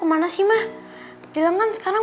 merasa ga diperhatiin